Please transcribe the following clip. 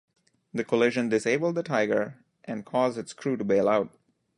The collision disabled the Tiger and caused its crew to bail out.